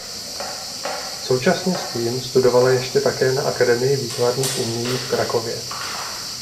Současně s tím studovala ještě také na Akademii výtvarných umění v Krakově.